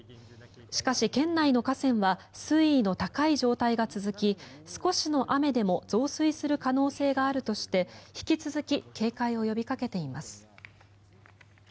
しかし県内の河川は水位の高い状態が続き少しの雨でも増水する可能性があるとして引き続き警戒を呼びかけています。